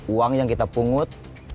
uang yang kita pungut